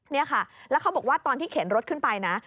นี่ค่ะแล้วเขาบอกว่าตอนที่เข็นรถขึ้นไปนะ